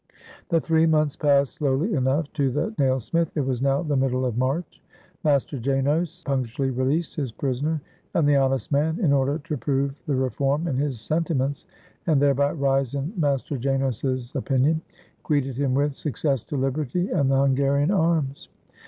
The three months passed slowly enough to the nail smith. It was now the middle of March. Master Janos punctually released his prisoner, and the honest man, in order to prove the reform in his sen timents, and thereby rise in Master Janos's opinion, greeted him with, "Success to liberty, and the Hun garian arms!"